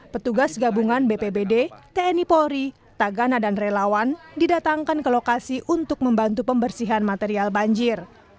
petugas gabungan bpbd tni polri tagana dan relawan didatangkan ke lokasi untuk membantu pembersihan material banjir